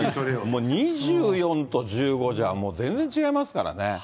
もう２４と１５じゃもう全然違いますからね。